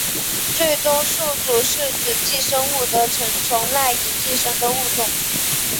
最终宿主是指寄生物的成虫赖以寄生的物种。